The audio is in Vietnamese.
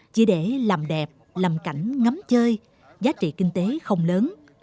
chỉ để làm đẹp làm cảnh ngấm chơi giá trị kinh tế không lớn